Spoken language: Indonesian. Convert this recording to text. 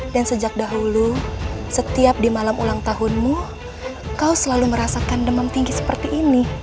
dan sejak dahulu setiap di malam ulang tahunmu kau selalu merasakan demam tinggi seperti ini